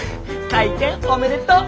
開店おめでとう！